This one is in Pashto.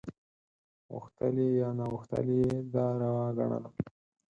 غوښتلي یا ناغوښتلي یې دا روا ګڼله.